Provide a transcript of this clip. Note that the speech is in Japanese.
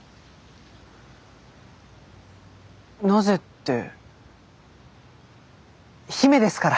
なぜって姫ですから。